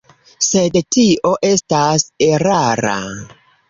Sed tio estas erara.